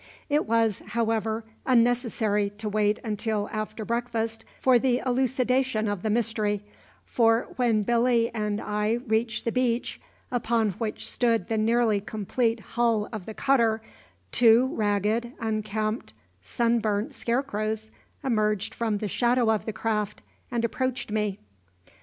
It was, however, unnecessary to wait until after breakfast for the elucidation of the mystery, for when Billy and I reached the beach upon which stood the nearly complete hull of the cutter, two ragged, unkempt, sunburnt scarecrows emerged from the shadow of the craft and approached me.